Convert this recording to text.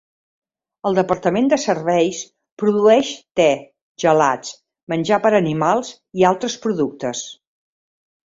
El departament de serveis produeix te, gelats, menjar per animals, i altres productes.